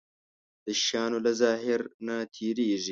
د شيانو له ظاهر نه تېرېږي.